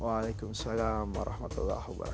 waalaikumsalam warahmatullahi wabarakatuh